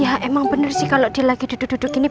ya emang bener sih kalau dia lagi duduk duduk ini